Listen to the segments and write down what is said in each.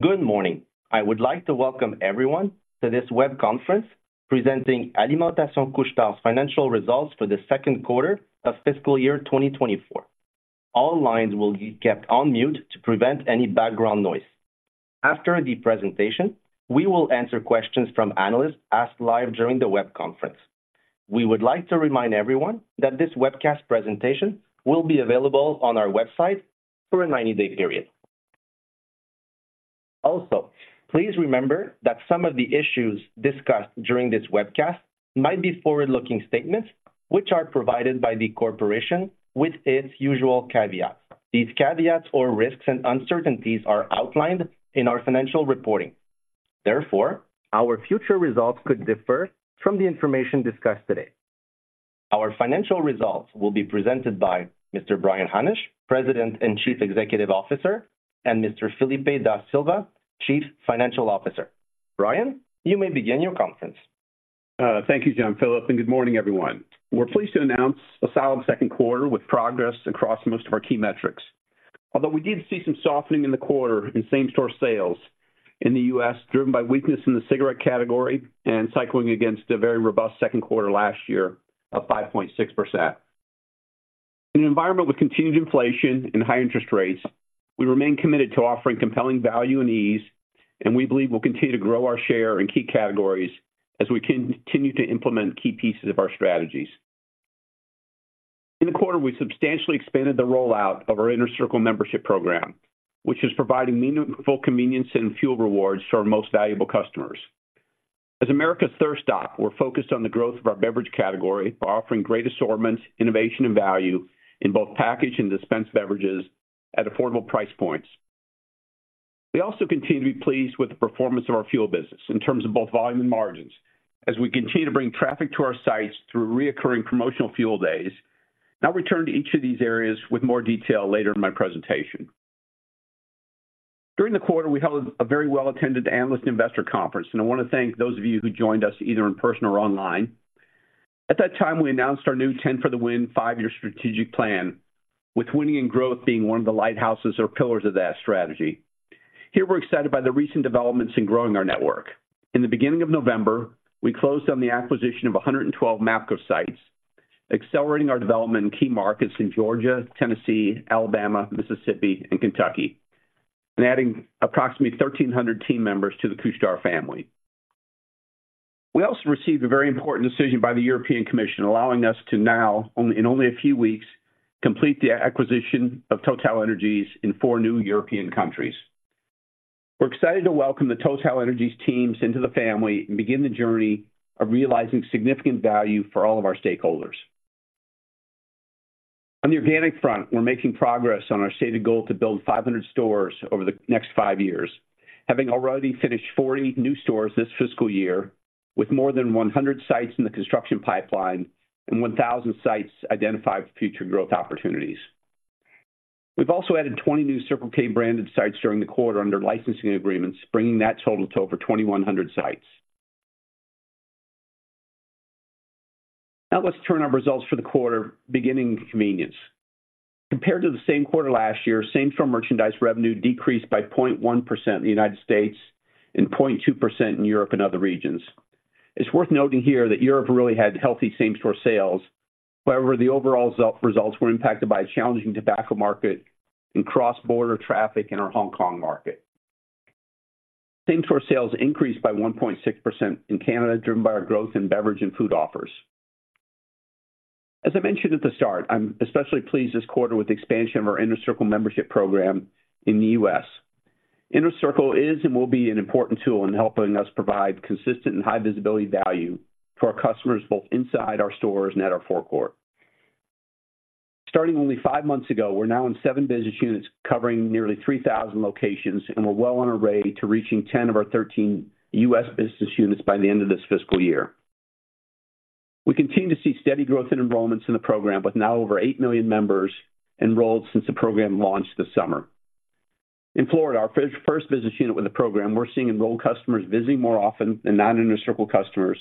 Good morning. I would like to welcome everyone to this web conference presenting Alimentation Couche-Tard's financial results for the second quarter of fiscal year 2024. All lines will be kept on mute to prevent any background noise. After the presentation, we will answer questions from analysts asked live during the web conference. We would like to remind everyone that this webcast presentation will be available on our website for a 90-day period. Also, please remember that some of the issues discussed during this webcast might be forward-looking statements, which are provided by the corporation with its usual caveats. These caveats or risks and uncertainties are outlined in our financial reporting. Therefore, our future results could differ from the information discussed today. Our financial results will be presented by Mr. Brian Hannasch, President and Chief Executive Officer, and Mr. Filipe Da Silva, Chief Financial Officer. Brian, you may begin your conference. Thank you, Jean-Philippe, and good morning, everyone. We're pleased to announce a solid second quarter with progress across most of our key metrics. Although we did see some softening in the quarter in same-store sales in the U.S., driven by weakness in the cigarette category and cycling against a very robust second quarter last year of 5.6%. In an environment with continued inflation and high interest rates, we remain committed to offering compelling value and ease, and we believe we'll continue to grow our share in key categories as we continue to implement key pieces of our strategies. In the quarter, we substantially expanded the rollout of our Inner Circle membership program, which is providing meaningful convenience and fuel rewards to our most valuable customers. As America's Thirst Stop, we're focused on the growth of our beverage category, offering great assortments, innovation, and value in both packaged and dispensed beverages at affordable price points. We also continue to be pleased with the performance of our fuel business in terms of both volume and margins, as we continue to bring traffic to our sites through recurring promotional Fuel Days. I'll return to each of these areas with more detail later in my presentation. During the quarter, we held a very well-attended analyst investor conference, and I wanna thank those of you who joined us, either in person or online. At that time, we announced our new 10 for the Win five-year strategic plan, with winning and growth being one of the lighthouses or pillars of that strategy. Here, we're excited by the recent developments in growing our network. In the beginning of November, we closed on the acquisition of 112 MAPCO sites, accelerating our development in key markets in Georgia, Tennessee, Alabama, Mississippi, and Kentucky, and adding approximately 1,300 team members to the Couche-Tard family. We also received a very important decision by the European Commission, allowing us to now, on, in only a few weeks, complete the acquisition of TotalEnergies in four new European countries. We're excited to welcome the TotalEnergies teams into the family and begin the journey of realizing significant value for all of our stakeholders. On the organic front, we're making progress on our stated goal to build 500 stores over the next five years, having already finished 40 new stores this fiscal year, with more than 100 sites in the construction pipeline and 1,000 sites identified for future growth opportunities. We've also added 20 new Circle K branded sites during the quarter under licensing agreements, bringing that total to over 2,100 sites. Now, let's turn our results for the quarter, beginning with convenience. Compared to the same quarter last year, same-store merchandise revenue decreased by 0.1% in the United States and 0.2% in Europe and other regions. It's worth noting here that Europe really had healthy same-store sales. However, the overall results were impacted by a challenging tobacco market and cross-border traffic in our Hong Kong market. Same-store sales increased by 1.6% in Canada, driven by our growth in beverage and food offers. As I mentioned at the start, I'm especially pleased this quarter with the expansion of our Inner Circle membership program in the U.S. Circle is and will be an important tool in helping us provide consistent and high visibility value for our customers, both inside our stores and at our forecourt. Starting only five months ago, we're now in seven business units, covering nearly 3,000 locations, and we're well on our way to reaching 10 of our 13 U.S. business units by the end of this fiscal year. We continue to see steady growth in enrollments in the program, with now over 8 million members enrolled since the program launched this summer. In Florida, our first business unit with the program, we're seeing enrolled customers visiting more often than non-Inner Circle customers,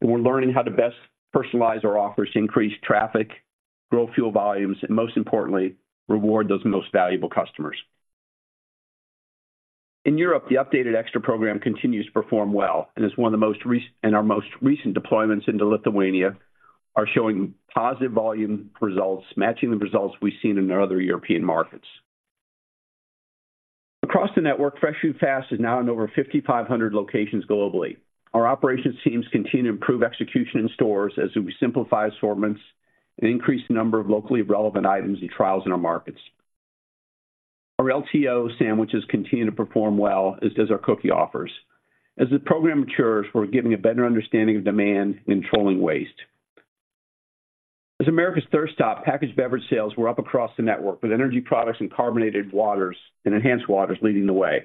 and we're learning how to best personalize our offers to increase traffic, grow fuel volumes, and most importantly, reward those most valuable customers. In Europe, the updated Extra program continues to perform well and is one of the most recent... Our most recent deployments into Lithuania are showing positive volume results, matching the results we've seen in our other European markets. Across the network, Fresh Food Fast is now in over 5,500 locations globally. Our operations teams continue to improve execution in stores as we simplify assortments and increase the number of locally relevant items and trials in our markets. Our LTO sandwiches continue to perform well, as does our cookie offers. As the program matures, we're getting a better understanding of demand and controlling waste. As America's Thirst Stop, packaged beverage sales were up across the network, with energy products and carbonated waters and enhanced waters leading the way.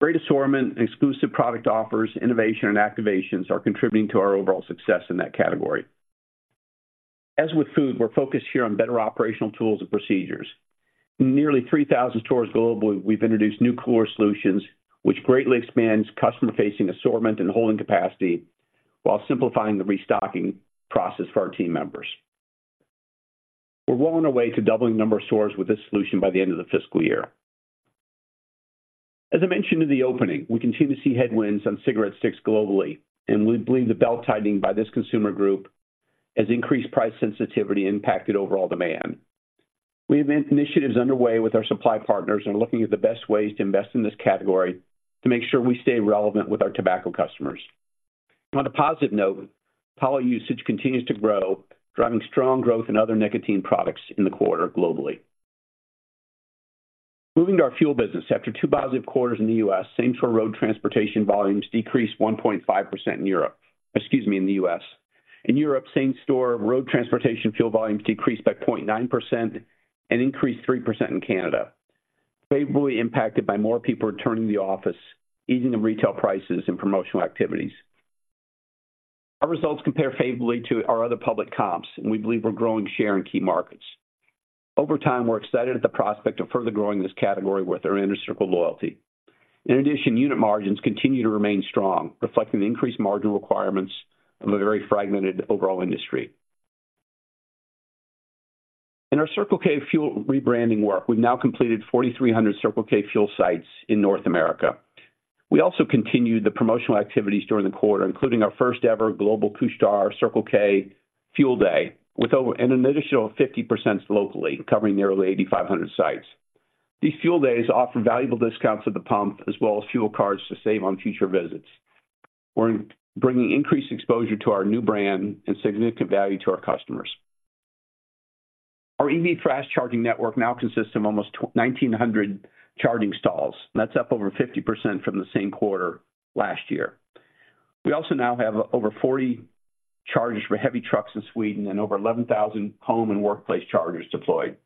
Great assortment, exclusive product offers, innovation, and activations are contributing to our overall success in that category. As with food, we're focused here on better operational tools and procedures. In nearly 3,000 stores globally, we've introduced new cooler solutions, which greatly expands customer-facing assortment and holding capacity while simplifying the restocking process for our team members. We're well on our way to doubling the number of stores with this solution by the end of the fiscal year. As I mentioned in the opening, we continue to see headwinds on cigarette sticks globally, and we believe the belt-tightening by this consumer group has increased price sensitivity and impacted overall demand. We have initiatives underway with our supply partners and are looking at the best ways to invest in this category to make sure we stay relevant with our tobacco customers. On a positive note, pouch usage continues to grow, driving strong growth in other nicotine products in the quarter globally. Moving to our fuel business, after two positive quarters in the U.S., same-store road transportation volumes decreased 1.5% in Europe, excuse me, in the U.S. In Europe, same-store road transportation fuel volumes decreased by 0.9% and increased 3% in Canada, favorably impacted by more people returning to the office, easing the retail prices and promotional activities. Our results compare favorably to our other public comps, and we believe we're growing share in key markets. Over time, we're excited at the prospect of further growing this category with our Inner Circle loyalty. In addition, unit margins continue to remain strong, reflecting the increased margin requirements of a very fragmented overall industry. In our Circle K fuel rebranding work, we've now completed 4,300 Circle K fuel sites in North America. We also continued the promotional activities during the quarter, including our first-ever global push to our Circle K Fuel Day, with over an additional 50% locally, covering nearly 8,500 sites. These Fuel Days offer valuable discounts at the pump, as well as fuel cards to save on future visits. We're bringing increased exposure to our new brand and significant value to our customers. Our EV fast charging network now consists of almost 1,900 charging stalls. That's up over 50% from the same quarter last year. We also now have over 40 chargers for heavy trucks in Sweden and over 11,000 home and workplace chargers deployed.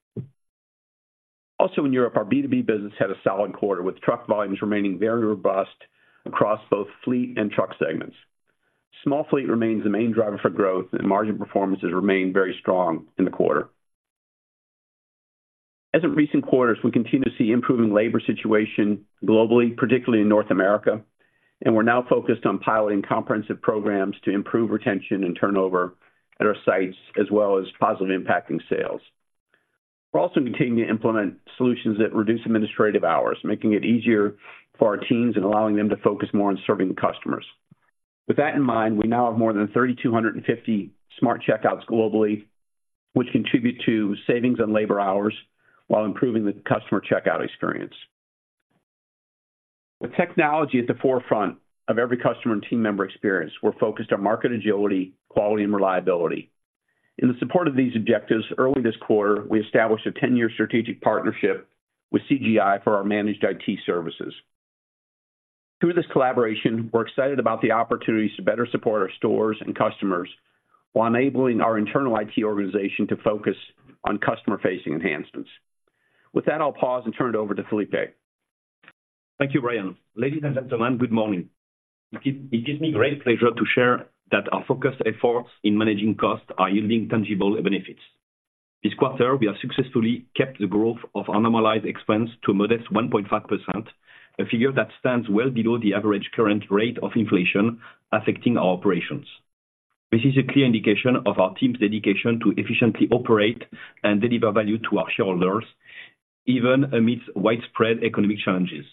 Also in Europe, our B2B business had a solid quarter, with truck volumes remaining very robust across both fleet and truck segments. Small fleet remains the main driver for growth, and margin performances remain very strong in the quarter. As in recent quarters, we continue to see improving labor situation globally, particularly in North America, and we're now focused on piloting comprehensive programs to improve retention and turnover at our sites, as well as positively impacting sales. We're also continuing to implement solutions that reduce administrative hours, making it easier for our teams and allowing them to focus more on serving the customers. With that in mind, we now have more than 3,250 Smart Checkouts globally, which contribute to savings on labor hours while improving the customer checkout experience. With technology at the forefront of every customer and team member experience, we're focused on market agility, quality, and reliability. In the support of these objectives, early this quarter, we established a 10-year strategic partnership with CGI for our managed IT services. Through this collaboration, we're excited about the opportunities to better support our stores and customers while enabling our internal IT organization to focus on customer-facing enhancements. With that, I'll pause and turn it over to Filipe. Thank you, Brian. Ladies and gentlemen, good morning. It gives me great pleasure to share that our focused efforts in managing costs are yielding tangible benefits. This quarter, we have successfully kept the growth of our normalized expense to a modest 1.5%, a figure that stands well below the average current rate of inflation affecting our operations. This is a clear indication of our team's dedication to efficiently operate and deliver value to our shareholders, even amidst widespread economic challenges.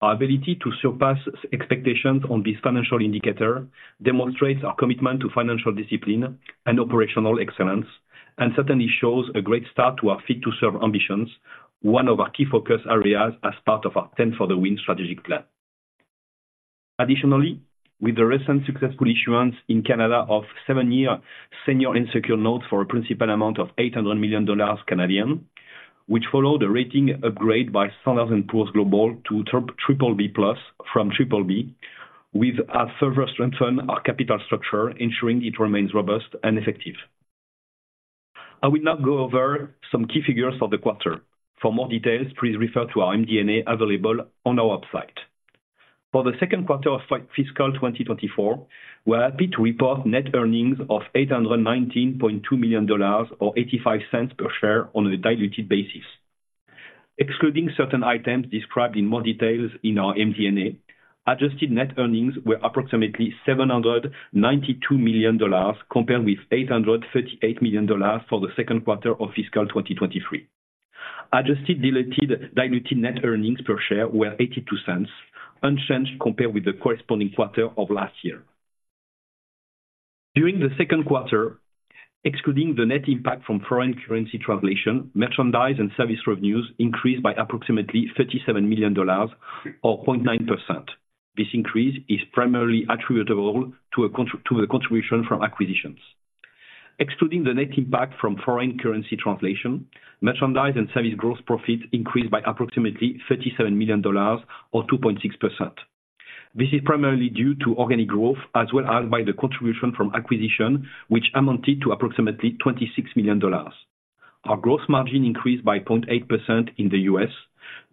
Our ability to surpass expectations on this financial indicator demonstrates our commitment to financial discipline and operational excellence, and certainly shows a great start to our Fit to Serve ambitions, one of our key focus areas as part of our 10 for the Win strategic plan. Additionally, with the recent successful issuance in Canada of seven-year senior unsecured notes for a principal amount of 800 million Canadian dollars, which followed a rating upgrade by Standard & Poor's Global to BBB+ from BBB. We've further strengthened our capital structure, ensuring it remains robust and effective. I will now go over some key figures for the quarter. For more details, please refer to our MD&A available on our website. For the second quarter of fiscal 2024, we're happy to report net earnings of $819.2 million, or $0.85 per share, on a diluted basis. Excluding certain items described in more details in our MD&A, adjusted net earnings were approximately $792 million, compared with $838 million for the second quarter of fiscal 2023. Adjusted, diluted net earnings per share were $0.82, unchanged compared with the corresponding quarter of last year. During the second quarter, excluding the net impact from foreign currency translation, merchandise and service revenues increased by approximately $37 million, or 0.9%. This increase is primarily attributable to the contribution from acquisitions. Excluding the net impact from foreign currency translation, merchandise and service gross profits increased by approximately $37 million, or 2.6%. This is primarily due to organic growth, as well as the contribution from acquisitions, which amounted to approximately $26 million. Our gross margin increased by 0.8% in the U.S.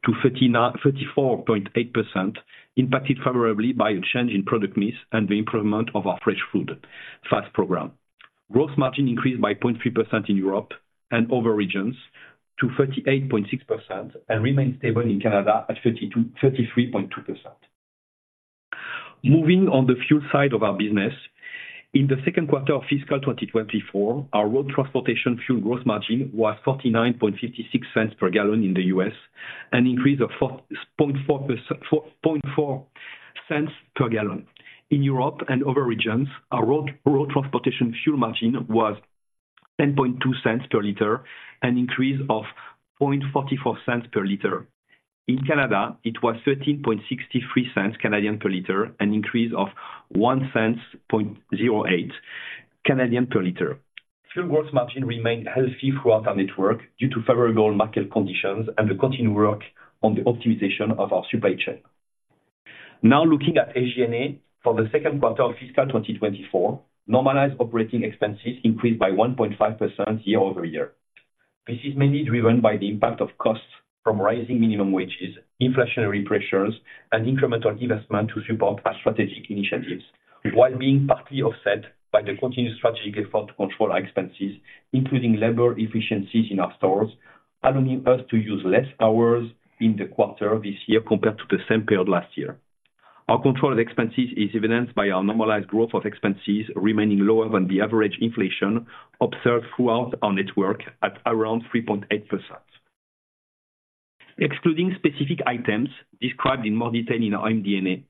to 34.8%, impacted favorably by a change in product mix and the improvement of our Fresh Food Fast program. Gross margin increased by 0.3% in Europe and other regions to 38.6% and remains stable in Canada at 33.2%. Moving on to the fuel side of our business, in the second quarter of fiscal 2024, our road transportation fuel gross margin was $0.4956 per gallon in the US, an increase of $0.044 per gallon. In Europe and other regions, our road transportation fuel margin was $0.102 per liter, an increase of $0.0044 per liter. In Canada, it was 0.1363 per liter, an increase of 0.0108 per liter. Fuel gross margin remained healthy throughout our network due to favorable market conditions and the continued work on the optimization of our supply chain. Now looking at SG&A. For the second quarter of fiscal 2024, normalized operating expenses increased by 1.5% year-over-year. This is mainly driven by the impact of costs from rising minimum wages, inflationary pressures, and incremental investment to support our strategic initiatives. While being partly offset by the continued strategic effort to control our expenses, including labor efficiencies in our stores, allowing us to use less hours in the quarter this year compared to the same period last year. Our controlled expenses is evidenced by our normalized growth of expenses remaining lower than the average inflation observed throughout our network at around 3.8%. Excluding specific items described in more detail in our MD&A,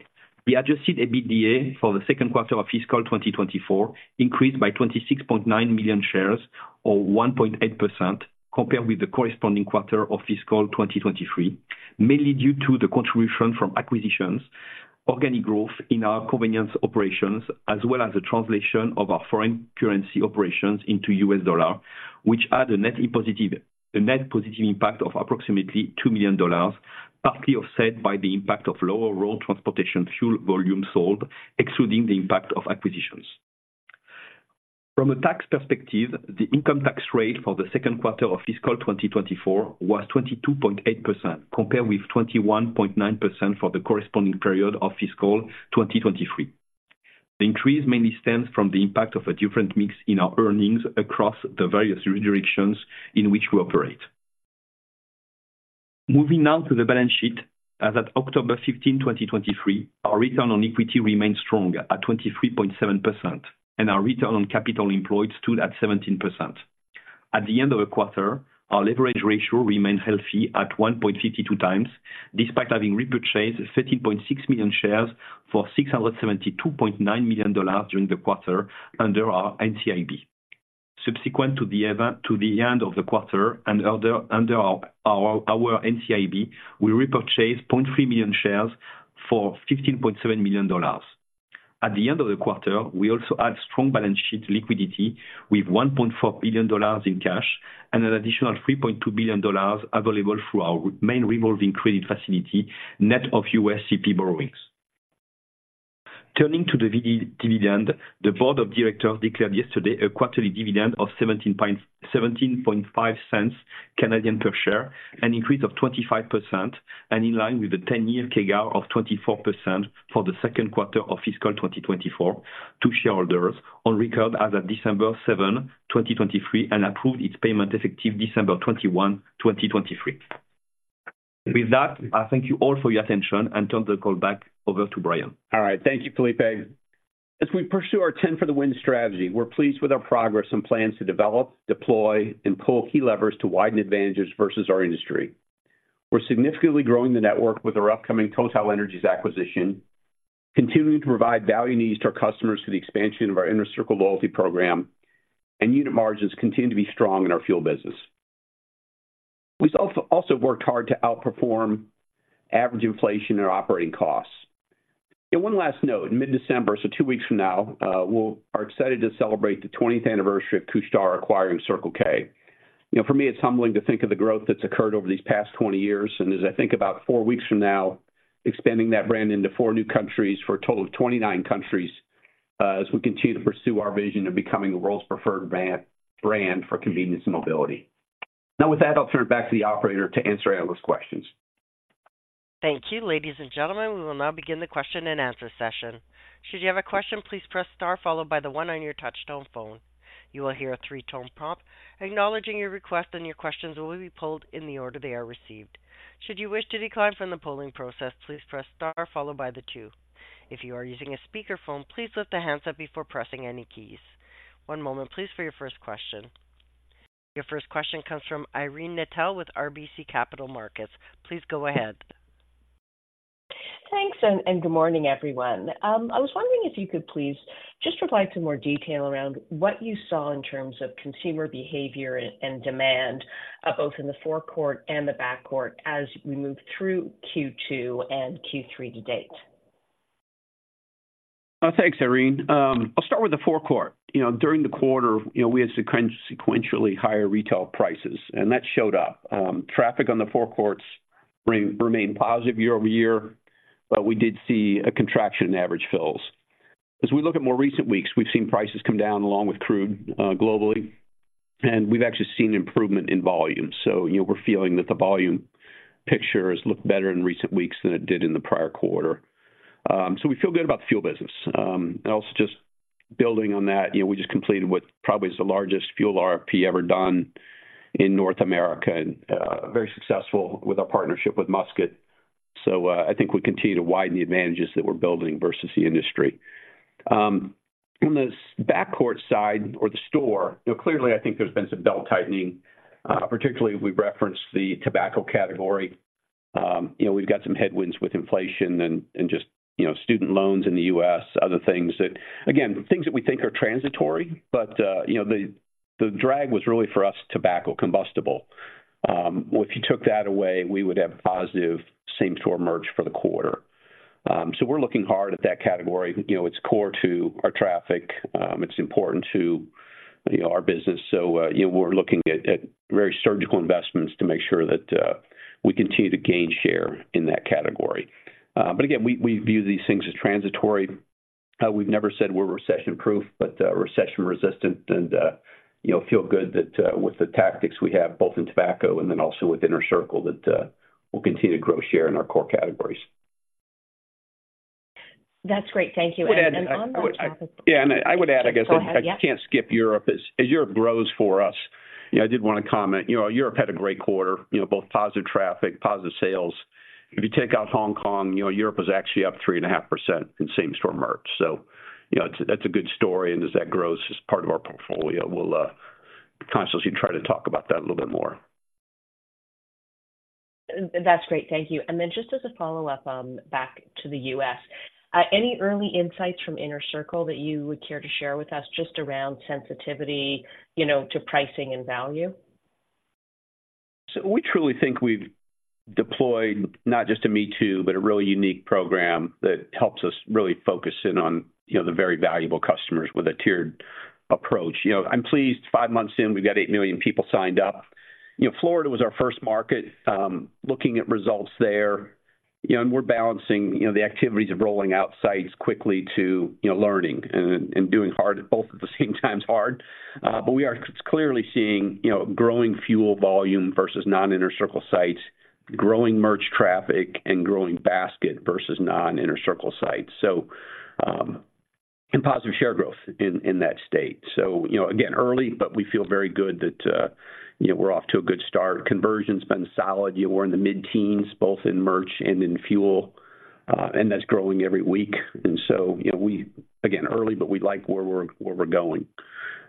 the adjusted EBITDA for the second quarter of fiscal 2024 increased by $26.9 million, or 1.8%, compared with the corresponding quarter of fiscal 2023. Mainly due to the contribution from acquisitions, organic growth in our convenience operations, as well as the translation of our foreign currency operations into U.S. dollar, which had a net positive, a net positive impact of approximately $2 million, partly offset by the impact of lower road transportation fuel volume sold, excluding the impact of acquisitions. From a tax perspective, the income tax rate for the second quarter of fiscal 2024 was 22.8%, compared with 21.9% for the corresponding period of fiscal 2023. The increase mainly stems from the impact of a different mix in our earnings across the various jurisdictions in which we operate. Moving now to the balance sheet. As at October 15, 2023, our return on equity remained strong at 23.7%, and our return on capital employed stood at 17%. At the end of the quarter, our leverage ratio remained healthy at 1.52x, despite having repurchased 13.6 million shares for $672.9 million during the quarter under our NCIB. Subsequent to the end of the quarter and under our NCIB, we repurchased 0.3 million shares for $15.7 million. At the end of the quarter, we also had strong balance sheet liquidity with $1.4 billion in cash and an additional $3.2 billion available through our main revolving credit facility, net of USCP borrowings. Turning to the dividend, the board of directors declared yesterday a quarterly dividend of 0.175 per share, an increase of 25%, and in line with a 10-year CAGR of 24% for the second quarter of fiscal 2024 to shareholders on record as of December 7, 2023, and approved its payment effective December 21, 2023. With that, I thank you all for your attention and turn the call back over to Brian. All right, thank you, Filipe. As we pursue our 10 for the Win strategy, we're pleased with our progress and plans to develop, deploy, and pull key levers to widen advantages versus our industry. We're significantly growing the network with our upcoming TotalEnergies acquisition, continuing to provide value needs to our customers through the expansion of our Inner Circle loyalty program, and unit margins continue to be strong in our fuel business. We've also worked hard to outperform average inflation in our operating costs. One last note, in mid-December, so two weeks from now, we're excited to celebrate the 20th anniversary of Couche-Tard acquiring Circle K. You know, for me, it's humbling to think of the growth that's occurred over these past 20 years, and as I think about four weeks from now, expanding that brand into four new countries for a total of 29 countries, as we continue to pursue our vision of becoming the world's preferred brand for convenience and mobility. Now, with that, I'll turn it back to the operator to answer analyst questions. Thank you. Ladies and gentlemen, we will now begin the question and answer session. Should you have a question, please press star followed by the one on your touchtone phone. You will hear a three-tone prompt acknowledging your request, and your questions will be polled in the order they are received. Should you wish to decline from the polling process, please press star followed by the two. If you are using a speakerphone, please lift the handset before pressing any keys. One moment, please, for your first question. Your first question comes from Irene Nattel with RBC Capital Markets. Please go ahead. Thanks, and good morning, everyone. I was wondering if you could please just provide some more detail around what you saw in terms of consumer behavior and demand, both in the forecourt and the back court as we move through Q2 and Q3 to date. Thanks, Irene. I'll start with the forecourt. You know, during the quarter, you know, we had sequentially higher retail prices, and that showed up. Traffic on the forecourts remained positive year-over-year, but we did see a contraction in average fills. As we look at more recent weeks, we've seen prices come down along with crude globally, and we've actually seen improvement in volume. So you know, we're feeling that the volume picture has looked better in recent weeks than it did in the prior quarter. So we feel good about the fuel business. And also just building on that, you know, we just completed what probably is the largest fuel RFP ever done in North America, and very successful with our partnership with Musket. So, I think we continue to widen the advantages that we're building versus the industry. On the store side, you know, clearly, I think there's been some belt-tightening, particularly we've referenced the tobacco category. You know, we've got some headwinds with inflation and just, you know, student loans in the U.S., other things that, again, things that we think are transitory, but, you know, the drag was really, for us, tobacco combustible. If you took that away, we would have positive same-store merch for the quarter. So we're looking hard at that category. You know, it's core to our traffic, it's important to, you know, our business. So, you know, we're looking at very surgical investments to make sure that we continue to gain share in that category. But again, we view these things as transitory. We've never said we're recession-proof, but recession-resistant and, you know, feel good that with the tactics we have, both in tobacco and then also with Inner Circle, that we'll continue to grow share in our core categories. That's great. Thank you. I would add- And on that topic- Yeah, and I would add, I guess- Go ahead, yep. I can't skip Europe. As Europe grows for us, you know, I did wanna comment. You know, Europe had a great quarter, you know, both positive traffic, positive sales. If you take out Hong Kong, you know, Europe was actually up 3.5% in same-store merch. So, you know, that's a good story, and as that grows, as part of our portfolio, we'll constantly try to talk about that a little bit more. That's great. Thank you. And then just as a follow-up, back to the U.S. Any early insights from Inner Circle that you would care to share with us, just around sensitivity, you know, to pricing and value? So we truly think we've deployed not just a me-too, but a really unique program that helps us really focus in on, you know, the very valuable customers with a tiered approach. You know, I'm pleased, five months in, we've got 8 million people signed up. You know, Florida was our first market, looking at results there, you know, and we're balancing, you know, the activities of rolling out sites quickly to, you know, learning and, and doing hard, both at the same time, it's hard. But we are clearly seeing, you know, growing fuel volume versus non-Inner Circle sites, growing merch traffic and growing basket versus non-Inner Circle sites, so, and positive share growth in that state. So, you know, again, early, but we feel very good that, you know, we're off to a good start. Conversion's been solid. You know, we're in the mid-teens, both in merch and in fuel, and that's growing every week. And so, you know, we again, early, but we like where we're going.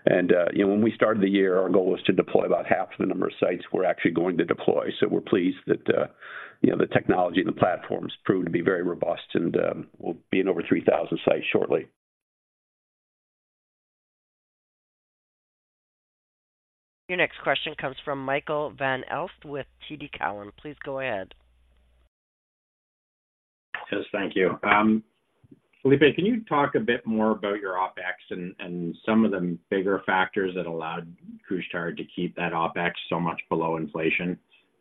And, you know, when we started the year, our goal was to deploy about half the number of sites we're actually going to deploy. So we're pleased that, you know, the technology and the platforms proved to be very robust, and we'll be in over 3,000 sites shortly. Your next question comes from Michael Van Aelst with TD Cowen. Please go ahead. Yes, thank you. Filipe, can you talk a bit more about your OpEx and some of the bigger factors that allowed Couche-Tard to keep that OpEx so much below inflation?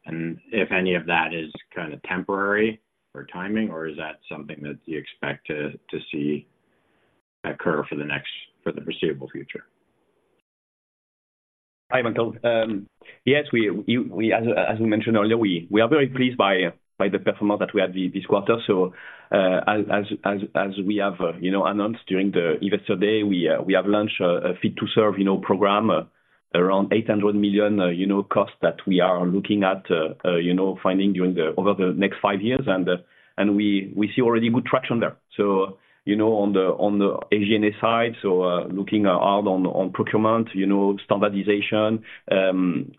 And if any of that is kind of temporary or timing, or is that something that you expect to see occur for the next—for the foreseeable future? Hi, Michael. Yes, as we mentioned earlier, we are very pleased by the performance that we had this quarter. So, as we have, you know, announced during the Investor Day, we have launched a Fit to Serve, you know, program around $800 million, you know, costs that we are looking at finding over the next five years. And, and we see already good traction there. So, you know, on the SG&A side, so, looking hard on procurement, you know, standardization,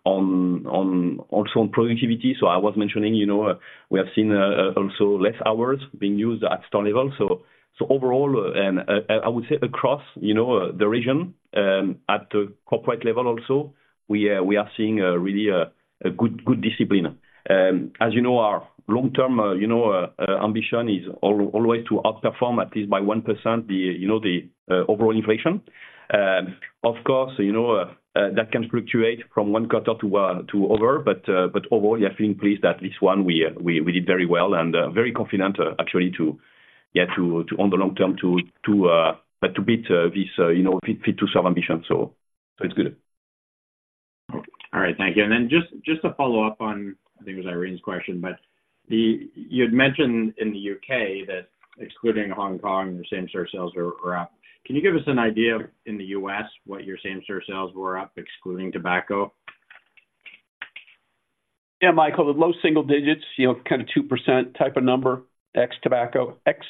on productivity. So I was mentioning, you know, we have seen also less hours being used at store level. So overall, and I would say across, you know, the region, at the corporate level also, we are seeing a really good, good discipline. As you know, our long-term ambition is always to outperform, at least by 1%, the, you know, the overall inflation. Of course, you know, that can fluctuate from one quarter to other. But overall, yeah, feeling pleased that this one, we did very well, and very confident, actually to, yeah, to on the long term, to beat this, you know, Fit to Serve ambition. So it's good. All right. Thank you. And then just to follow up on, I think it was Irene's question, but the... You'd mentioned in the U.K. that excluding Hong Kong, your same-store sales are up. Can you give us an idea in the U.S. what your same-store sales were up, excluding tobacco? Yeah, Michael, the low single digits, you know, kind of 2% type of number, ex tobacco, ex--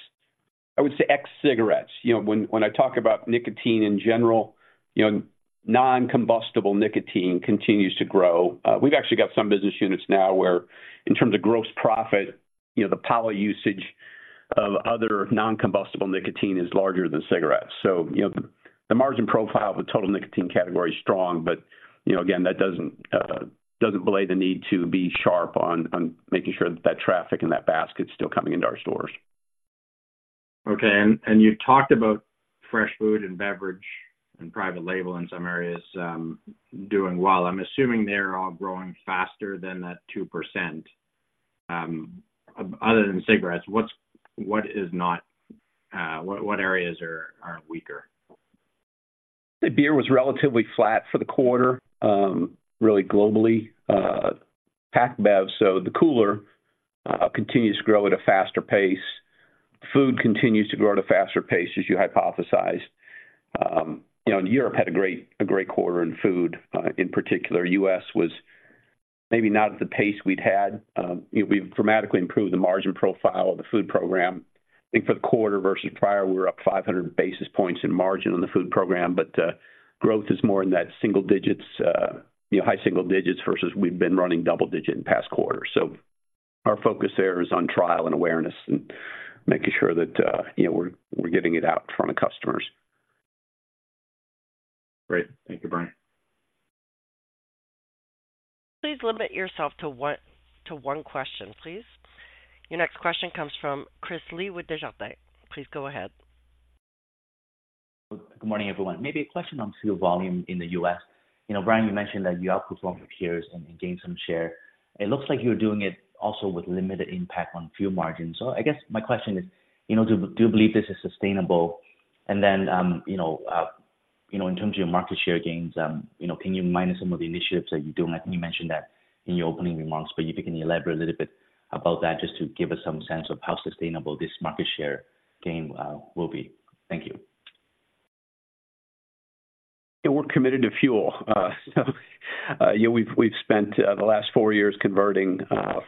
I would say, ex cigarettes. You know, when, when I talk about nicotine in general, you know, non-combustible nicotine continues to grow. We've actually got some business units now where, in terms of gross profit, you know, the poly usage of other non-combustible nicotine is larger than cigarettes. So, you know, the margin profile of the total nicotine category is strong, but, you know, again, that doesn't, doesn't belie the need to be sharp on, on making sure that, that traffic and that basket is still coming into our stores. Okay. And you talked about fresh food and beverage and private label in some areas doing well. I'm assuming they're all growing faster than that 2%. Other than cigarettes, what areas are weaker?... The beer was relatively flat for the quarter, really globally, pack bev, so the cooler continues to grow at a faster pace. Food continues to grow at a faster pace, as you hypothesized. You know, and Europe had a great quarter in food. In particular, U.S. was maybe not at the pace we'd had. We've dramatically improved the margin profile of the food program. I think for the quarter versus prior, we were up 500 basis points in margin on the food program, but growth is more in that single digits, you know, high single digits versus we've been running double digit in past quarters. So our focus there is on trial and awareness and making sure that, you know, we're getting it out in front of customers. Great. Thank you, Brian. Please limit yourself to one, to one question, please. Your next question comes from Chris Li with Desjardins. Please go ahead. Good morning, everyone. Maybe a question on fuel volume in the U.S. You know, Brian, you mentioned that you outperformed your peers and gained some share. It looks like you're doing it also with limited impact on fuel margins. So I guess my question is, you know, do you believe this is sustainable? And then, you know, in terms of your market share gains, you know, can you mention some of the initiatives that you're doing? I think you mentioned that in your opening remarks, but if you can elaborate a little bit about that, just to give us some sense of how sustainable this market share gain will be. Thank you. Yeah, we're committed to fuel. So, yeah, we've spent the last four years converting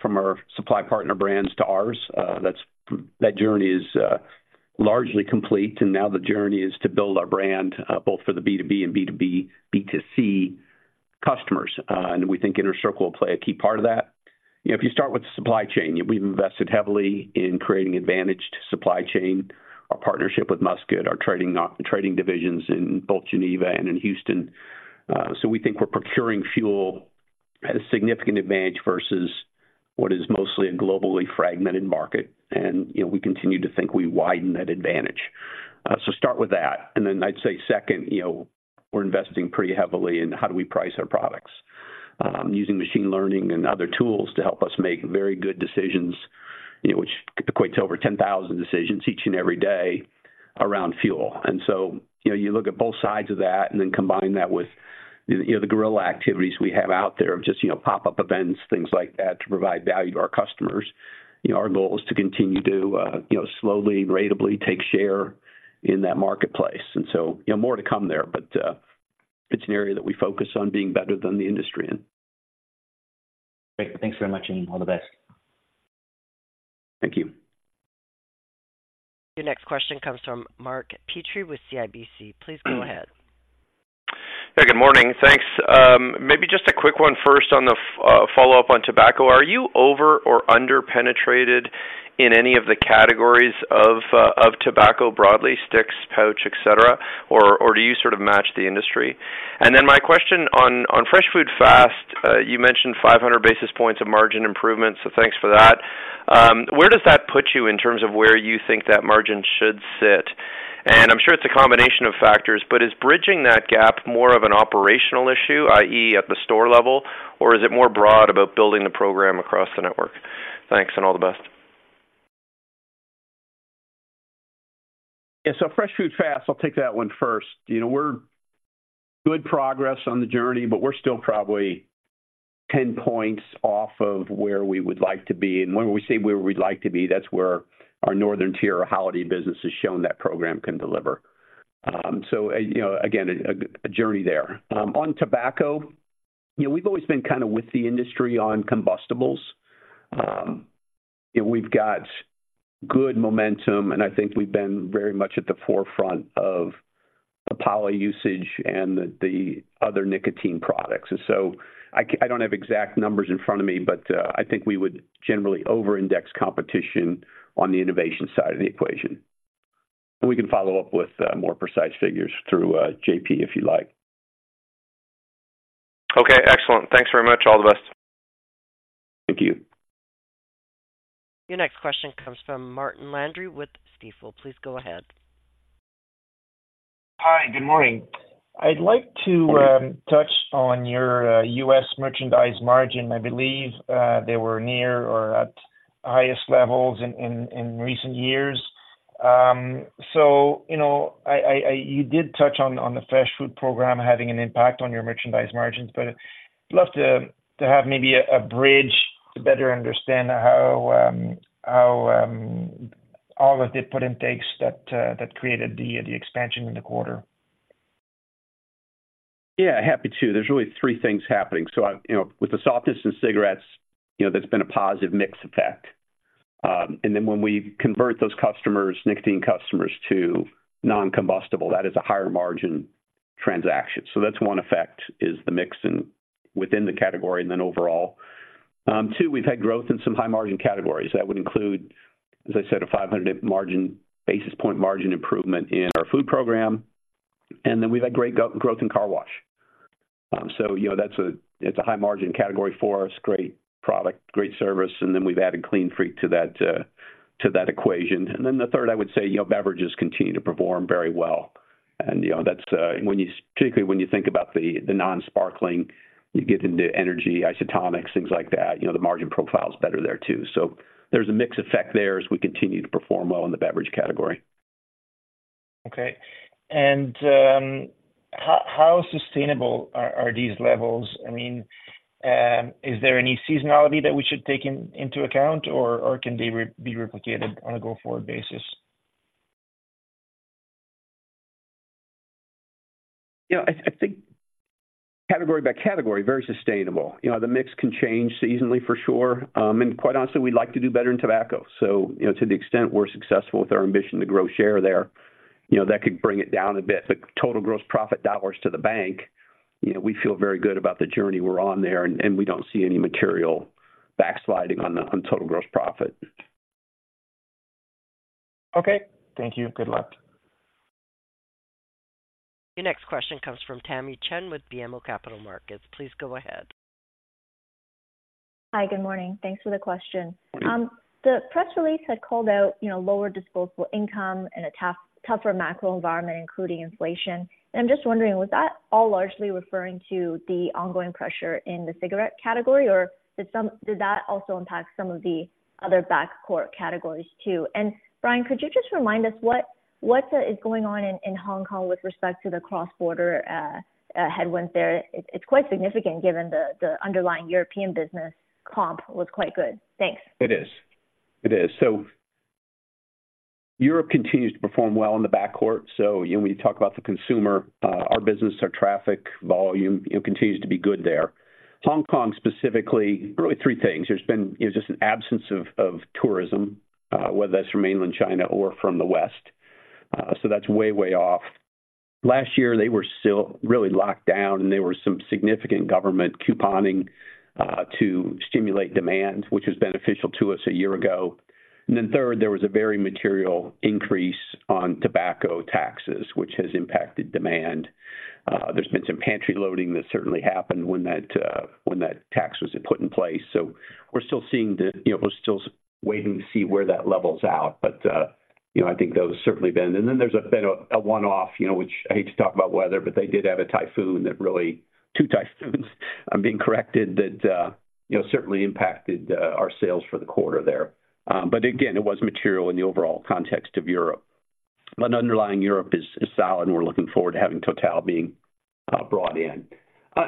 from our supply partner brands to ours. That's that journey is largely complete, and now the journey is to build our brand, both for the B2B and B2B, B2C customers. And we think Inner Circle will play a key part of that. You know, if you start with the supply chain, we've invested heavily in creating advantaged supply chain, our partnership with Musket, our trading, trading divisions in both Geneva and in Houston. So we think we're procuring fuel at a significant advantage versus what is mostly a globally fragmented market, and, you know, we continue to think we widen that advantage. So start with that. And then I'd say second, you know, we're investing pretty heavily in how do we price our products, using machine learning and other tools to help us make very good decisions, you know, which equates over 10,000 decisions each and every day around fuel. And so, you know, you look at both sides of that and then combine that with, you know, the guerrilla activities we have out there of just, you know, pop-up events, things like that, to provide value to our customers. You know, our goal is to continue to, you know, slowly, ratably, take share in that marketplace, and so, you know, more to come there, but, it's an area that we focus on being better than the industry in. Great. Thanks very much, and all the best. Thank you. Your next question comes from Mark Petrie with CIBC. Please go ahead. Hey, good morning. Thanks. Maybe just a quick one first on the follow-up on tobacco. Are you over or under penetrated in any of the categories of tobacco, broadly, sticks, pouch, et cetera, or do you sort of match the industry? And then my question on Fresh Food Fast, you mentioned 500 basis points of margin improvement, so thanks for that. Where does that put you in terms of where you think that margin should sit? And I'm sure it's a combination of factors, but is bridging that gap more of an operational issue, i.e., at the store level, or is it more broad about building the program across the network? Thanks and all the best. Yeah, so Fresh Food Fast, I'll take that one first. You know, we're [making] good progress on the journey, but we're still probably 10 points off of where we would like to be. And when we say where we'd like to be, that's where our Northern Tier of Holiday business has shown that program can deliver. So, you know, again, a journey there. On tobacco, you know, we've always been kind of with the industry on combustibles. And we've got good momentum, and I think we've been very much at the forefront of [pouch]usage and the other nicotine products. And so I don't have exact numbers in front of me, but, I think we would generally overindex competition on the innovation side of the equation. We can follow up with, more precise figures through, JP, if you like. Okay, excellent. Thanks very much. All the best. Thank you. Your next question comes from Martin Landry with Stifel. Please go ahead. Hi, good morning. I'd like to touch on your U.S. merchandise margin. I believe they were near or at highest levels in recent years. So, you know, you did touch on the fresh food program having an impact on your merchandise margins, but I'd love to have maybe a bridge to better understand how all of the put in takes that created the expansion in the quarter. Yeah, happy to. There's really three things happening. So, you know, with the softness in cigarettes, you know, there's been a positive mix effect. And then when we convert those customers, nicotine customers, to non-combustible, that is a higher margin transaction. So that's one effect, is the mix within the category and then overall. Two, we've had growth in some high margin categories. That would include, as I said, a 500 basis point margin improvement in our food program, and then we've had great growth in car wash. So you know, that's a, it's a high margin category for us. Great product, great service, and then we've added Clean Freak to that, to that equation. And then the third, I would say, you know, beverages continue to perform very well. And, you know, that's when you, particularly, when you think about the non-sparkling, you get into energy, isotonics, things like that, you know, the margin profile is better there, too. So there's a mix effect there as we continue to perform well in the beverage category.... Okay. And how sustainable are these levels? I mean, is there any seasonality that we should take into account, or can they be replicated on a go-forward basis? Yeah, I think category by category, very sustainable. You know, the mix can change seasonally for sure. And quite honestly, we'd like to do better in tobacco. So, you know, to the extent we're successful with our ambition to grow share there, you know, that could bring it down a bit. But total gross profit dollars to the bank, you know, we feel very good about the journey we're on there, and we don't see any material backsliding on total gross profit. Okay. Thank you. Good luck. Your next question comes from Tamy Chen with BMO Capital Markets. Please go ahead. Hi, good morning. Thanks for the question. Hi. The press release had called out, you know, lower disposable income and a tough, tougher macro environment, including inflation. And I'm just wondering, was that all largely referring to the ongoing pressure in the cigarette category, or did that also impact some of the other backcourt categories, too? And Brian, could you just remind us what is going on in Hong Kong with respect to the cross-border headwind there? It's quite significant given the underlying European business comp was quite good. Thanks. It is. It is. So Europe continues to perform well in the backcourt. So when we talk about the consumer, our business, our traffic volume, you know, continues to be good there. Hong Kong, specifically, really three things. There's been, you know, just an absence of tourism, whether that's from mainland China or from the West. So that's way, way off. Last year, they were still really locked down, and there were some significant government couponing to stimulate demand, which was beneficial to us a year ago. And then third, there was a very material increase on tobacco taxes, which has impacted demand. There's been some pantry loading that certainly happened when that, when that tax was put in place. So we're still seeing the... You know, we're still waiting to see where that levels out. But, you know, I think those certainly been. And then there's been a one-off, you know, which I hate to talk about weather, but they did have a typhoon that really... Two typhoons, I'm being corrected, that, you know, certainly impacted our sales for the quarter there. But again, it was material in the overall context of Europe. But underlying Europe is solid, and we're looking forward to having Total being brought in.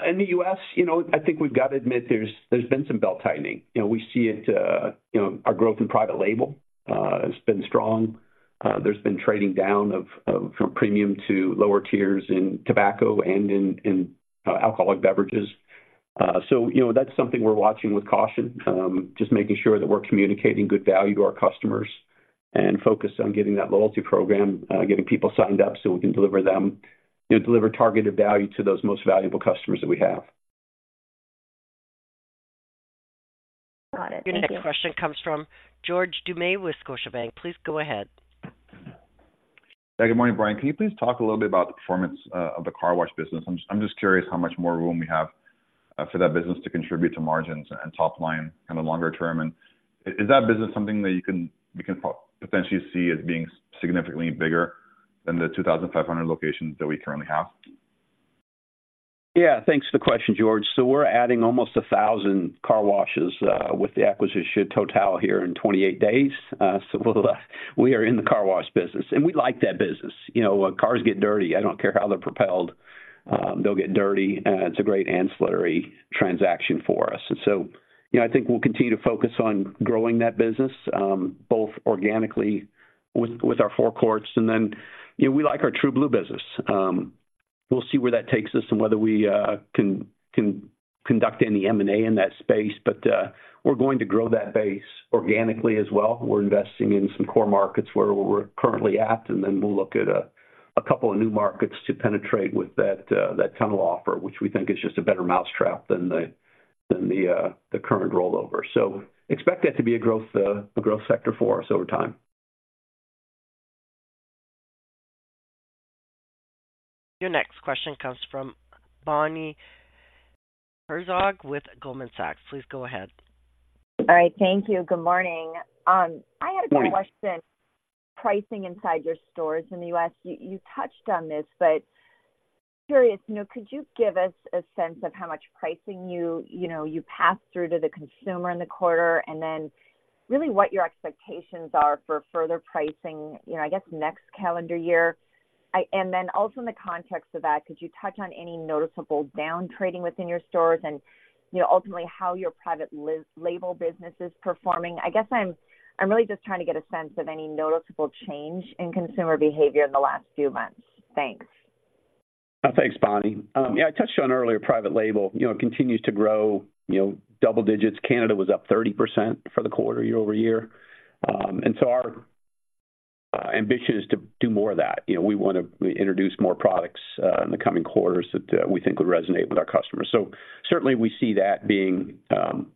In the U.S., you know, I think we've got to admit there's been some belt-tightening. You know, we see it, you know, our growth in private label has been strong. There's been trading down of from premium to lower tiers in tobacco and in alcoholic beverages. So, you know, that's something we're watching with caution, just making sure that we're communicating good value to our customers and focused on getting that loyalty program, getting people signed up so we can deliver them, you know, deliver targeted value to those most valuable customers that we have. Got it. Thank you. Your next question comes from George Doumet with Scotiabank. Please go ahead. Yeah, good morning, Brian. Can you please talk a little bit about the performance of the car wash business? I'm just curious how much more room we have for that business to contribute to margins and top line in the longer term. And is that business something that we can potentially see as being significantly bigger than the 2,500 locations that we currently have? Yeah, thanks for the question, George. So we're adding almost 1,000 car washes with the acquisition of Total here in 28 days. So we are in the car wash business, and we like that business. You know, cars get dirty. I don't care how they're propelled, they'll get dirty, and it's a great ancillary transaction for us. And so, you know, I think we'll continue to focus on growing that business both organically with our four courts. And then, you know, we like our True Blue business. We'll see where that takes us and whether we can conduct any M&A in that space. But we're going to grow that base organically as well. We're investing in some core markets where we're currently at, and then we'll look at a couple of new markets to penetrate with that tunnel offer, which we think is just a better mouse trap than the current rollover. So expect that to be a growth sector for us over time. Your next question comes from Bonnie Herzog with Goldman Sachs. Please go ahead. All right, thank you. Good morning. I had- Good morning. question on pricing inside your stores in the U.S. You touched on this, but curious, you know, could you give us a sense of how much pricing you know you passed through to the consumer in the quarter, and then really what your expectations are for further pricing, you know, I guess, next calendar year? And then also in the context of that, could you touch on any noticeable down trading within your stores and, you know, ultimately, how your private label business is performing? I guess I'm really just trying to get a sense of any noticeable change in consumer behavior in the last few months. Thanks. Thanks, Bonnie. Yeah, I touched on earlier, private label, you know, continues to grow, you know, double digits. Canada was up 30% for the quarter, year-over-year. So our ambition is to do more of that. You know, we wanna introduce more products in the coming quarters that we think would resonate with our customers. So certainly we see that being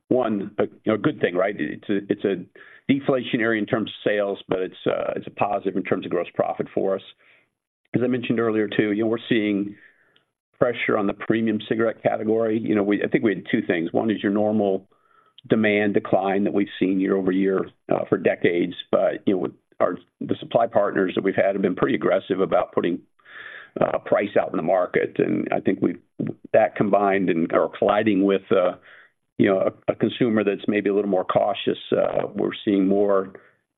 one, a, you know, a good thing, right? It's a deflationary in terms of sales, but it's a positive in terms of gross profit for us. As I mentioned earlier, too, you know, we're seeing pressure on the premium cigarette category. You know, I think we had two things. One is your normal demand decline that we've seen year-over-year for decades. But, you know, with our the supply partners that we've had have been pretty aggressive about putting price out in the market. And I think we've that combined and or colliding with, you know, a consumer that's maybe a little more cautious, we're seeing more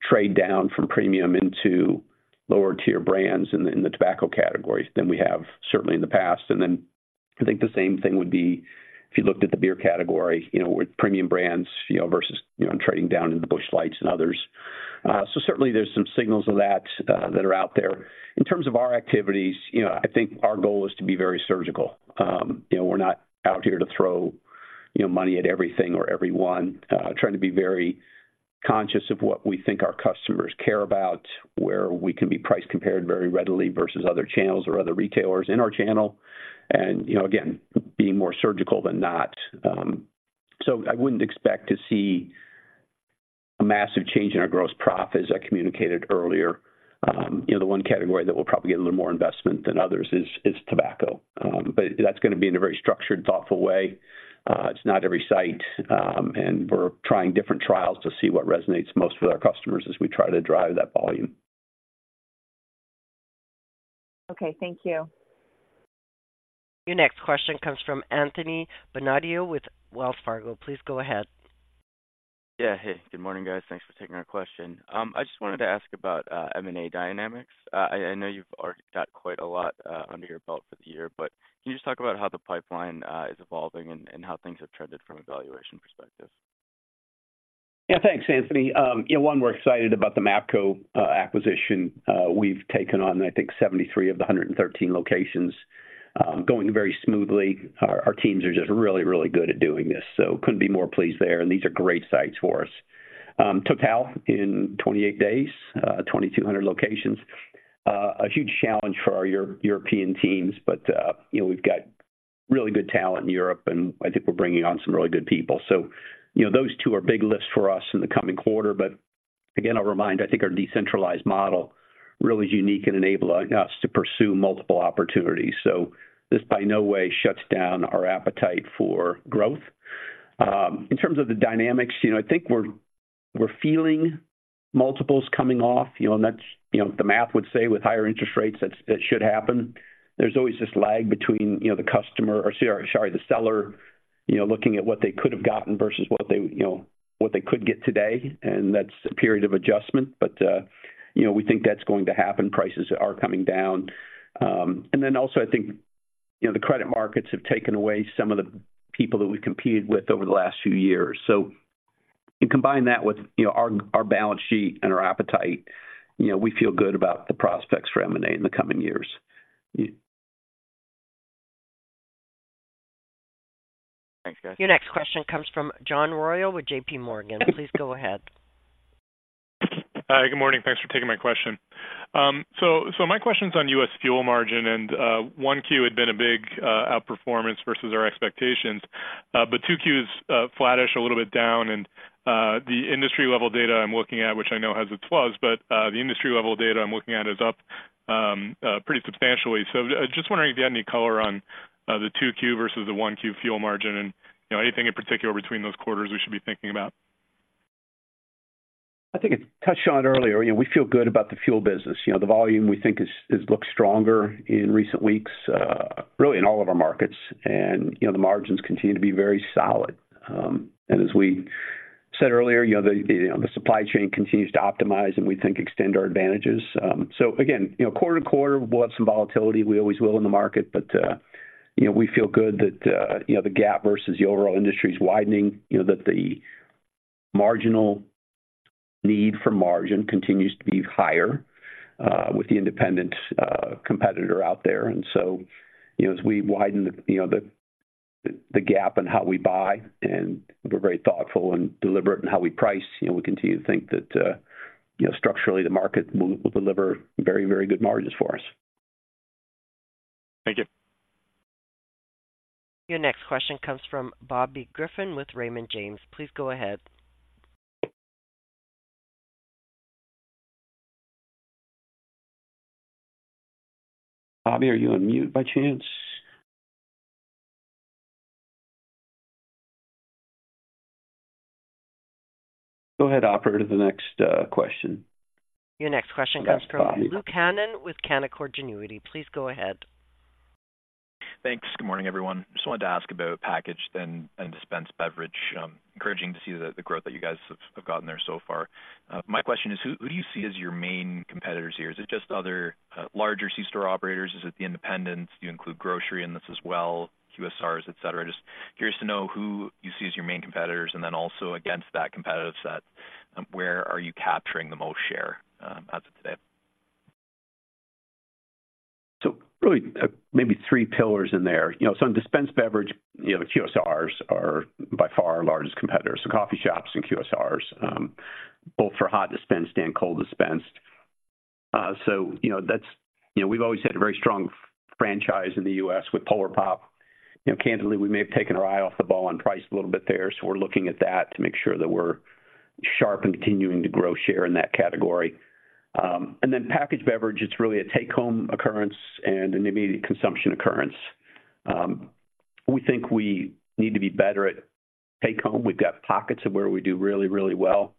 trade down from premium into lower tier brands in the tobacco categories than we have certainly in the past. And then I think the same thing would be if you looked at the beer category, you know, with premium brands, you know, versus trading down in the Bud Lights and others. So certainly, there's some signals of that that are out there. In terms of our activities, you know, I think our goal is to be very surgical. You know, we're not out here to throw, you know, money at everything or everyone, trying to be very conscious of what we think our customers care about, where we can be price compared very readily versus other channels or other retailers in our channel. You know, again, being more surgical than not. So I wouldn't expect to see a massive change in our gross profit, as I communicated earlier. You know, the one category that will probably get a little more investment than others is tobacco. But that's gonna be in a very structured, thoughtful way. It's not every site, and we're trying different trials to see what resonates most with our customers as we try to drive that volume. Okay, thank you. Your next question comes from Anthony Bonadio with Wells Fargo. Please go ahead. Yeah. Hey, good morning, guys. Thanks for taking our question. I just wanted to ask about M&A dynamics. I know you've already got quite a lot under your belt for the year, but can you just talk about how the pipeline is evolving and how things have trended from a valuation perspective? Yeah, thanks, Anthony. Yeah, one, we're excited about the MAPCO acquisition. We've taken on, I think, 73 of the 113 locations, going very smoothly. Our teams are just really, really good at doing this, so couldn't be more pleased there, and these are great sites for us. Total in 28 days, 2,200 locations, a huge challenge for our European teams, but, you know, we've got really good talent in Europe, and I think we're bringing on some really good people. So, you know, those two are big lifts for us in the coming quarter. But again, I'll remind, I think our decentralized model really is unique and enabling us to pursue multiple opportunities. So this by no way shuts down our appetite for growth. In terms of the dynamics, you know, I think we're feeling multiples coming off, you know, and that's, you know, the math would say with higher interest rates, that should happen. There's always this lag between, you know, the customer or, sorry, the seller, you know, looking at what they could have gotten versus what they could get today, and that's a period of adjustment. But, you know, we think that's going to happen. Prices are coming down. And then also, I think, you know, the credit markets have taken away some of the people that we've competed with over the last few years. So you combine that with, you know, our balance sheet and our appetite, you know, we feel good about the prospects for M&A in the coming years. Thanks, guys. Your next question comes from John Royall with JPMorgan. Please go ahead. Hi, good morning. Thanks for taking my question. So, so my question's on U.S. fuel margin, and, 1Q had been a big outperformance versus our expectations. But 2Q is flattish, a little bit down, and, the industry level data I'm looking at, which I know has its flaws, but, the industry level data I'm looking at is up pretty substantially. So just wondering if you had any color on the 2Q versus the 1Q fuel margin, and, you know, anything in particular between those quarters we should be thinking about? I think I touched on it earlier. You know, we feel good about the fuel business. You know, the volume we think is looking stronger in recent weeks, really in all of our markets. And, you know, the margins continue to be very solid. And as we said earlier, you know, the supply chain continues to optimize and we think extend our advantages. So again, you know, quarter to quarter, we'll have some volatility. We always will in the market. But, you know, we feel good that, you know, the gap versus the overall industry is widening, you know, that the marginal need for margin continues to be higher, with the independent competitor out there. So, you know, as we widen the, you know, the gap in how we buy, and we're very thoughtful and deliberate in how we price, you know, we continue to think that, you know, structurally, the market will deliver very, very good margins for us. Thank you. Your next question comes from Bobby Griffin with Raymond James. Please go ahead. Bobby, are you on mute by chance? Go ahead, operator, the next question. Your next question comes from Luke Hannan with Canaccord Genuity. Please go ahead. Thanks. Good morning, everyone. Just wanted to ask about packaged and dispensed beverage. Encouraging to see the growth that you guys have gotten there so far. My question is, who do you see as your main competitors here? Is it just other larger c-store operators? Is it the independents? Do you include grocery in this as well, QSRs, et cetera? Just curious to know who you see as your main competitors, and then also against that competitive set, where are you capturing the most share as of today? So really, maybe three pillars in there. You know, so in dispensed beverage, you know, the QSRs are by far our largest competitors. So coffee shops and QSRs, both for hot dispensed and cold dispensed. So you know, that's. You know, we've always had a very strong franchise in the U.S. with Polar Pop. You know, candidly, we may have taken our eye off the ball on price a little bit there, so we're looking at that to make sure that we're sharp and continuing to grow share in that category. And then packaged beverage, it's really a take-home occurrence and an immediate consumption occurrence. We think we need to be better at take home. We've got pockets of where we do really, really well.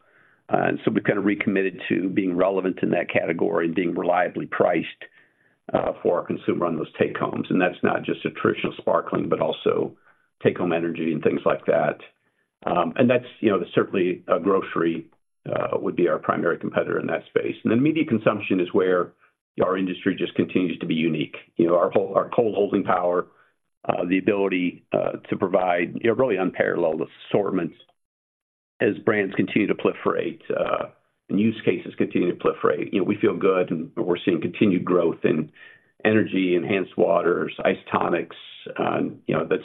So we've kind of recommitted to being relevant in that category and being reliably priced for our consumer on those take homes. And that's not just traditional sparkling, but also take home energy and things like that. And that's, you know, certainly grocery would be our primary competitor in that space. And then immediate consumption is where our industry just continues to be unique. You know, our whole, our cold holding power, the ability to provide, you know, really unparalleled assortments as brands continue to proliferate and use cases continue to proliferate. You know, we feel good, and we're seeing continued growth in energy, enhanced waters, isotonics. You know, that's,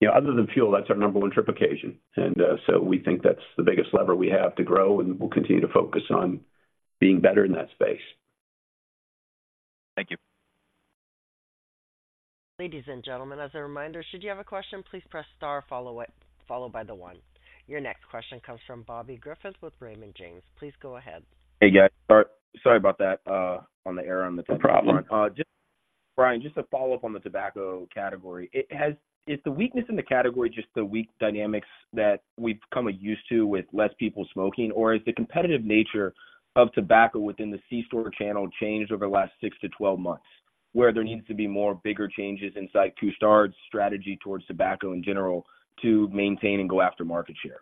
you know, other than fuel, that's our number one trip occasion. We think that's the biggest lever we have to grow, and we'll continue to focus on being better in that space. Thank you. Ladies and gentlemen, as a reminder, should you have a question, please press star, follow up, followed by the one. Your next question comes from Bobby Griffin with Raymond James. Please go ahead. Hey, guys. Sorry, sorry about that, on the air on the front. No problem. Just, Brian, just to follow up on the tobacco category. Is the weakness in the category just the weak dynamics that we've become used to with less people smoking? Or is the competitive nature of tobacco within the c-store channel changed over the last six to 12 months, where there needs to be more, bigger changes in Couche-Tard's strategy towards tobacco in general, to maintain and go after market share?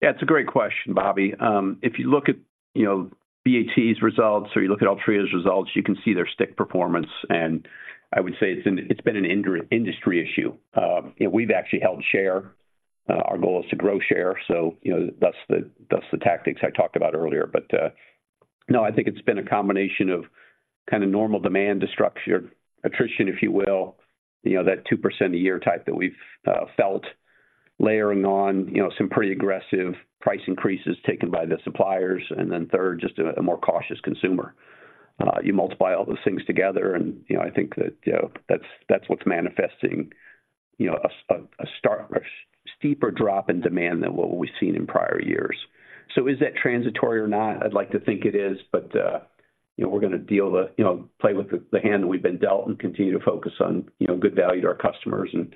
Yeah, it's a great question, Bobby. If you look at, you know, BAT's results or you look at Altria's results, you can see their stick performance, and I would say it's, it's been an industry issue. We've actually held share. Our goal is to grow share, so, you know, that's the, that's the tactics I talked about earlier. But, no, I think it's been a combination of kind of normal demand destruction, attrition, if you will. You know, that 2% a year type that we've felt layering on, you know, some pretty aggressive price increases taken by the suppliers, and then third, just a more cautious consumer. You multiply all those things together and, you know, I think that, you know, that's, that's what's manifesting, you know, a steeper drop in demand than what we've seen in prior years. So is that transitory or not? I'd like to think it is, but, you know, we're going to deal with, you know, play with the hand that we've been dealt and continue to focus on, you know, good value to our customers and,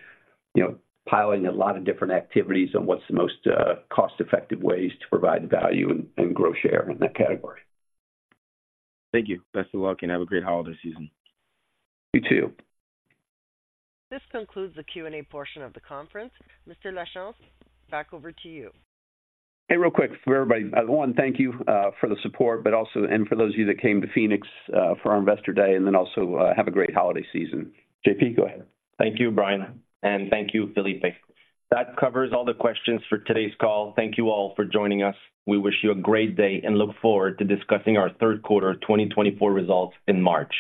you know, piling a lot of different activities on what's the most cost-effective ways to provide value and grow share in that category. Thank you. Best of luck, and have a great holiday season. You too. This concludes the Q&A portion of the conference. Mr. Lachance, back over to you. Hey, real quick, for everybody. I want to thank you for the support, but also, and for those of you that came to Phoenix for our Investor Day, and then also, have a great holiday season. JP, go ahead. Thank you, Brian, and thank you, Filipe. That covers all the questions for today's call. Thank you all for joining us. We wish you a great day and look forward to discussing our third quarter 2024 results in March.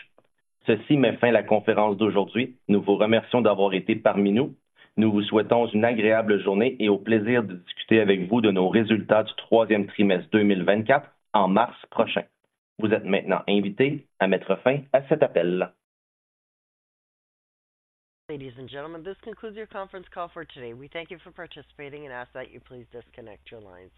Ladies and gentlemen, this concludes your conference call for today. We thank you for participating and ask that you please disconnect your lines.